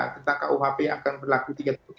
tentang kuhp yang akan berlaku tiga tahun ini ya